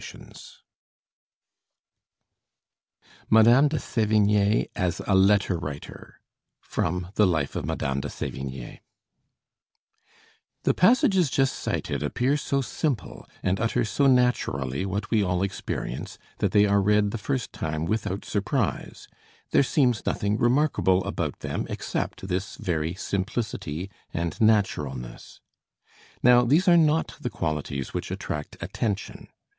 [Illustration: GASTON BOISSIER] MADAME DE SÉVIGNÉ AS A LETTER WRITER From the 'Life of Madame de Sévigné' The passages just cited appear so simple, and utter so naturally what we all experience, that they are read the first time without surprise. There seems nothing remarkable about them except this very simplicity and naturalness. Now, these are not the qualities which attract attention.